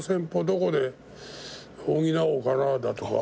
どこで補おうかなだとか。